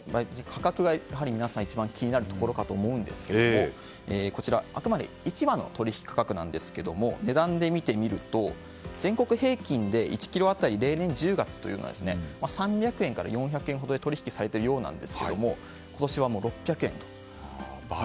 価格が皆さん、やはり一番気になるところかと思うんですがあくまで市場の取引価格なんですが値段で見てみると全国平均で１ｋｇ当たり例年、１０月というのは３００円から４００円ほどで取引されているようですが今年は６００円と。